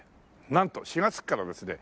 なんと４月からですね